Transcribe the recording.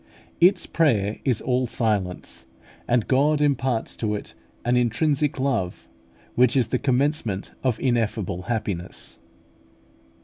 Its prayer is all silence, and God imparts to it an intrinsic love, which is the commencement of ineffable happiness.